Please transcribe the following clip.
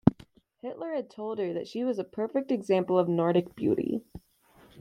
Hitler had told her that she was a perfect example of Nordic beauty.